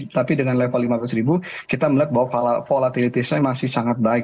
tapi dengan level lima belas kita melihat bahwa volatilitasnya masih sangat baik